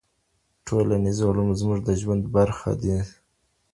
ټولنیز علوم زموږ د ژوند برخه دي.